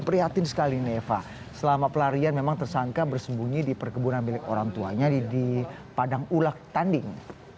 prihatin sekali nih eva selama pelarian memang tersangka bersembunyi di perkebunan milik orang tuanya di padang ulak tanding